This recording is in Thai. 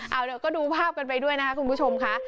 เอาเดี๋ยวก็ดูภาพกันไปด้วยนะคะคุณผู้ชมค่ะ